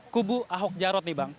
kubu ahok jarot nih bang